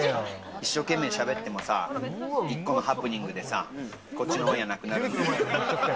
一生懸命しゃべってもさ、１個のハプニングでこっちのオンエアなくなるんだよ。